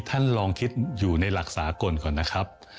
ท่านลองคิดอยู่ในหลักสากลก่อนนะครับ